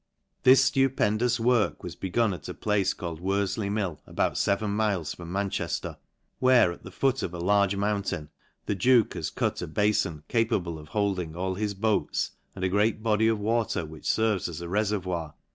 This ftupendous work was begun at a place called IVorJley Mill, about {even miles from Manchejier ; where, at the foot of a large mountain, the duke has cut a bafon capable of holding all his boats, and a great body of water, which ferves as a refer voir, or